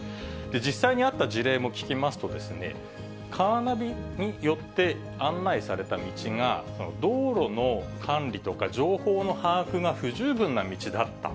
実際にあった事例も聞きますと、カーナビによって案内された道が、道路の管理とか、情報の把握が不十分な道だった。